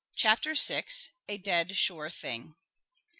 CHAPTER VI. A DEAD SURE THING.